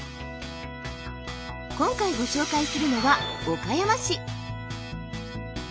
今回ご紹介するのは岡山市。